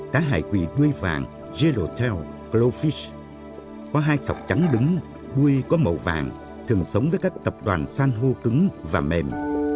cá hải quỳ đuôi vàng jeraltel gloffics có hai sọc trắng đứng đuôi có màu vàng thường sống với các tập đoàn san hô cứng và mềm